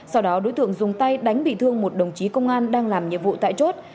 sau đó đối tượng dùng tay đánh bị thương một đồng chí công an đang làm nhiệm vụ tại chốt